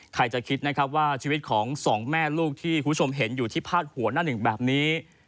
ใครจะคิดนะครับว่าชีวิตของสองแม่ลูกที่คุณผู้ชมเห็นอยู่ที่พาดหัวหน้าหนึ่งแบบนี้